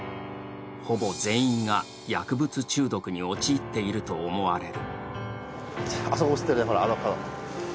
ほぼ全員が薬物中毒に陥っていると思われる。